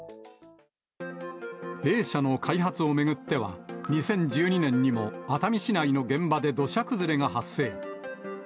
Ａ社の開発を巡っては、２０１２年にも熱海市内の現場で土砂崩れが発生。